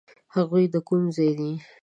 هغوی د کوم ځای دي؟